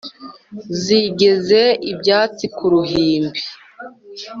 zigeze ibyansi ku ruhimbi